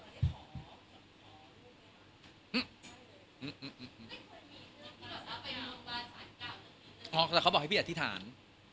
อ๋อเขาบอกว่าเขาจะขอพระเจ้าหรือยังเขาบอกให้พี่อธิษฐาน